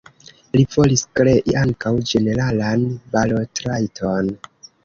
Li volis krei ankaŭ ĝeneralan balotrajton.